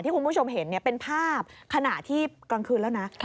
คุณผู้ชมเห็นเป็นภาพขณะที่กลางคืนแล้วนะ